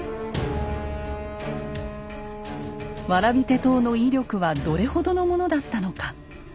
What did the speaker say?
蕨手刀の威力はどれほどのものだったのか。